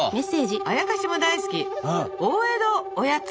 「あやかしも大好き大江戸おやつ」。